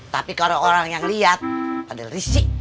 tapi kalau orang yang liat pada risih